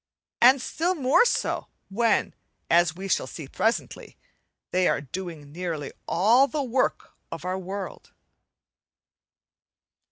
and still more so when, as we shall see presently, they are doing nearly all the work of our world.